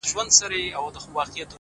• زما تصـور كي دي تصـوير ويده دی؛